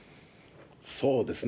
そうですね。